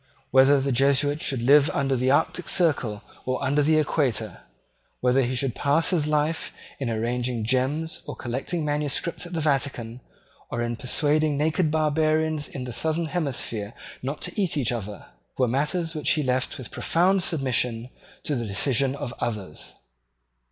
Whether the Jesuit should live under the arctic circle or under the equator, whether he should pass his life in arranging gems and collating manuscripts at the Vatican or in persuading naked barbarians in the southern hemisphere not to eat each other, were matters which he left with profound submission to the decision of others.